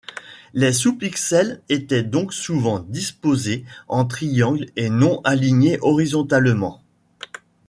Les sous-pixels étaient donc souvent disposés en triangle et non alignés horizontalement.